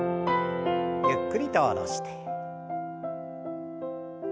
ゆっくりと下ろして。